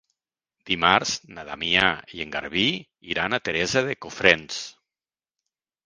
Dimarts na Damià i en Garbí iran a Teresa de Cofrents.